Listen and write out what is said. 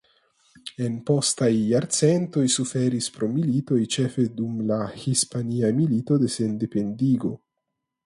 En postaj jarcentoj suferis pro militoj ĉefe dum la Hispana Milito de Sendependigo.